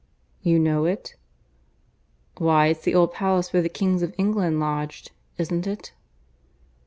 "You know it?" "Why, it's the old palace where the kings of England lodged, isn't it?"